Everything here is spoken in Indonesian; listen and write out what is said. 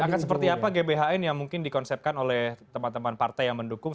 akan seperti apa gbhn yang mungkin dikonsepkan oleh teman teman partai yang mendukung